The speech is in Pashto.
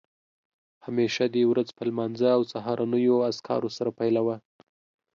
همېشه دې ورځ په لمانځه او سهارنیو اذکارو سره پیلوه